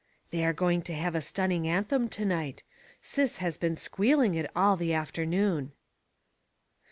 They are going to have a stunning anthem to night. Sis has been squeal ing it all the afternoon."